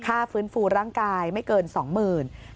ฟื้นฟูร่างกายไม่เกิน๒๐๐๐บาท